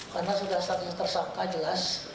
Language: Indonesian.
karena sudah tersangka jelas